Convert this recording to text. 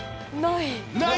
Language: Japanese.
ない。